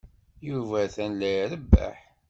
Yuba atan la irebbeḥ.